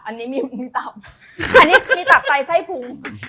อันนี้มีตับใต้ไส้ภู